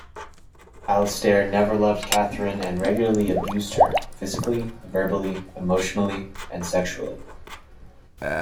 Alistair never loved Katherine and regularly abused her-physically, verbally, emotionally, and sexually.